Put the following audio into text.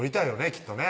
きっとね